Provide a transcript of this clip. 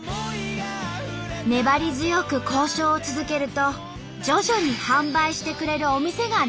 粘り強く交渉を続けると徐々に販売してくれるお店が出てきたのです。